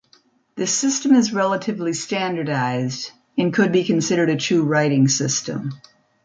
This system is relatively standardised, and could be considered a true writing system.